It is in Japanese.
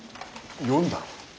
読んだの？